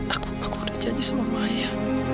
aku aku udah janji sama maya